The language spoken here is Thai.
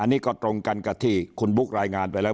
อันนี้ก็ตรงกันกับที่คุณบุ๊ครายงานไปแล้ว